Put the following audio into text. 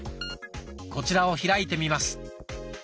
こちらを開いてみます。